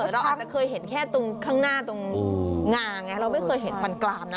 เราอาจจะเคยเห็นแค่ตรงข้างหน้าตรงงาไงเราไม่เคยเห็นควันกลามนะ